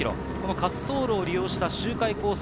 滑走路を利用した周回コース